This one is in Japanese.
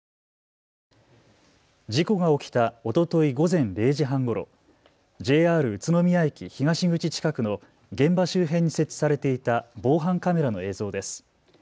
事故が起きたおととい午前０時半ごろ、ＪＲ宇都宮駅東口近くの現場周辺に設置されていた防犯カメラの映像です。